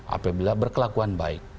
apabila berkelakuan baik